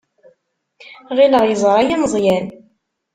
Ɣileɣ yeẓra-iyi Meẓyan.